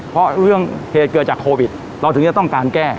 เพราะเรื่องเหตุเกิดจากโควิดเราถึงจะต้องการแก้